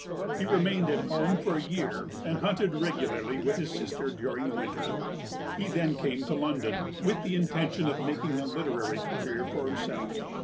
He remained at home for a year and hunted regularly with his sister during the winter. He then came to London with the intention of making a literary career for himself.